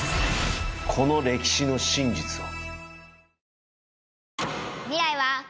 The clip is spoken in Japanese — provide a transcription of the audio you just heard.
この歴史の真実を。